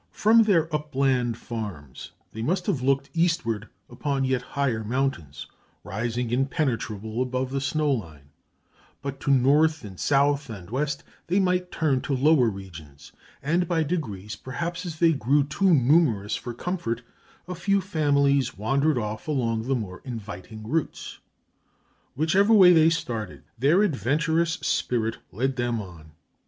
From their upland farms they must have looked eastward upon yet higher mountains, rising impenetrable above the snowline; but to north and south and west they might turn to lower regions; and by degrees, perhaps as they grew too numerous for comfort, a few families wandered off along the more inviting routes. Whichever way they started, their adventurous spirit led them on.